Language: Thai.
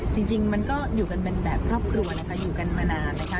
จริงมันก็อยู่กันเป็นแบบครอบครัวนะคะอยู่กันมานานนะคะ